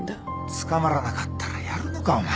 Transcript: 捕まらなかったらやるのかお前。